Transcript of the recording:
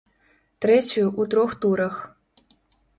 Трэцюю ў трох турах!